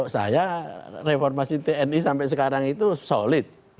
saya reformasi tni sampai sekarang itu solid